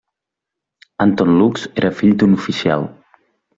Anton Lux era el fill d'un oficial.